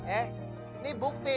eh ini bukti